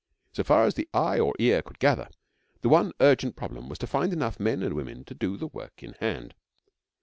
So far as eye or ear could gather, the one urgent problem was to find enough men and women to do the work in hand.